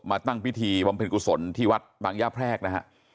ตั้งพิธีบำเพ็ญกุศลที่วัดบางย่าแพรกนะฮะ